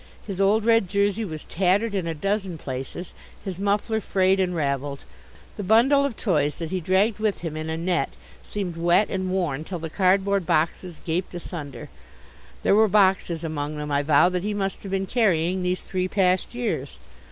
His old red jersey was tattered in a dozen places, his muffler frayed and ravelled. The bundle of toys that he dragged with him in a net seemed wet and worn till the cardboard boxes gaped asunder. There were boxes among them, I vow, that he must have been carrying these three past years.